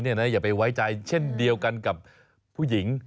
อย่าไปไว้ใจเช่นเดียวกันกับผู้หญิง